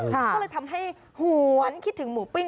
ก็เลยทำให้หวนคิดถึงหมูปิ้ง